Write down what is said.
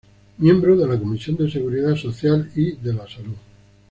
Miembro de la Comisión de seguridad social y de la salud.